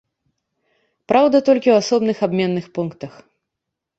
Праўда, толькі ў асобных абменных пунктах.